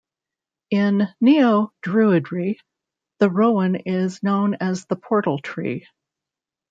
In Neo-Druidry, the Rowan is known as the Portal Tree.